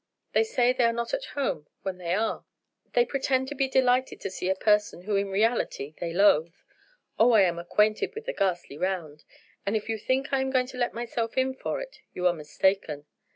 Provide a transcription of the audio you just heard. They say they are not at home when they are; they pretend to be delighted to see a person who in reality they loathe. Oh, I am acquainted with the ghastly round; and if you think I am going to let myself in for it you are mistaken.